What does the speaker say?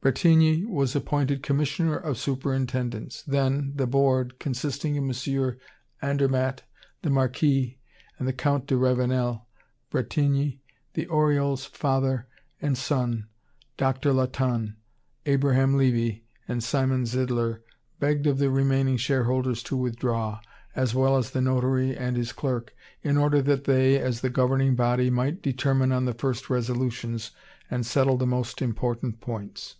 Bretigny was appointed commissioner of superintendence. Then, the Board, consisting of MM. Andermatt, the Marquis and the Count de Ravenel, Bretigny, the Oriols, father and son, Doctor Latonne, Abraham Levy, and Simon Zidler, begged of the remaining shareholders to withdraw, as well as the notary and his clerk, in order that they, as the governing body, might determine on the first resolutions, and settle the most important points.